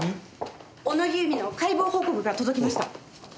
小野木由美の解剖報告が届きました。